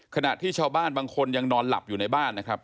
ขณะที่ชาวบ้านบางคนยังนอนหลับอยู่ในบ้านนะครับ